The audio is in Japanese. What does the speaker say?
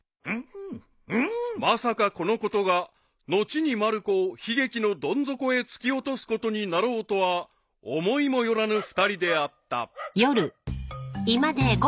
［まさかこのことが後にまる子を悲劇のどん底へ突き落とすことになろうとは思いも寄らぬ２人であった］